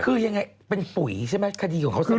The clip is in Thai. คือยังไงเป็นปุ๋ยใช่ไหมคดีของเขาใช่ไหม